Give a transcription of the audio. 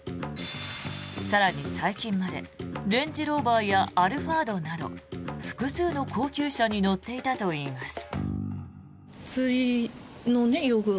更に、最近までレンジローバーやアルファードなど複数の高級車に乗っていたといいます。